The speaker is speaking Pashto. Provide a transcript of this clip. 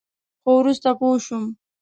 خو وروسته پوه شوم.